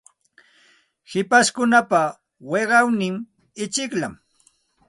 Hipashkunapa wiqawnin ichikllam.